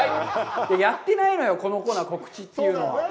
やってないのよ、このコーナー、告知っていうのは。